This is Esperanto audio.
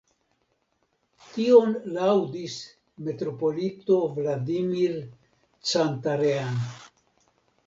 Tion laŭdis metropolito Vladimir Cantarean.